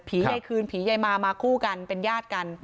ยายคืนผียายมามาคู่กันเป็นญาติกัน